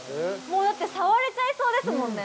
もう、さわれちゃいそうですもんね。